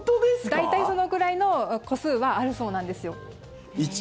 大体そのくらいの個数はあるそうなんですよ。